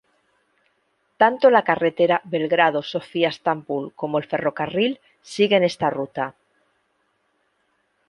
Tanto la carretera Belgrado-Sofía-Estambul como el ferrocarril siguen esta ruta.